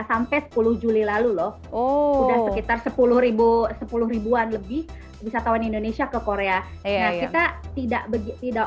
indonesia sampai sepuluh juli lalu loh sudah sekitar sepuluh ribuan lebih wisatawan indonesia ke korea